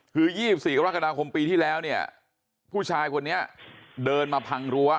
คือ๒๔กรกฎาคมปีที่แล้วเนี่ยผู้ชายคนนี้เดินมาพังรั้ว